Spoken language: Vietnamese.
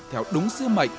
theo đúng siêu mục